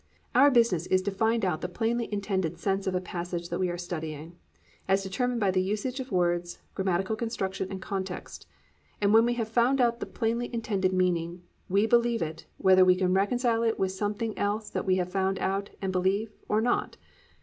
Our business is to find out the plainly intended sense of a passage that we are studying, as determined by the usage of words, grammatical construction and context; and when we have found out the plainly intended meaning, believe it whether we can reconcile it with something else that we have found out and believe, or not.